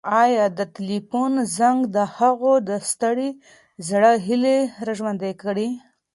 ایا د تلیفون زنګ د هغه د ستړي زړه هیلې راژوندۍ کړې؟